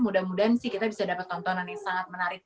mudah mudahan sih kita bisa dapat tontonan yang sangat menarik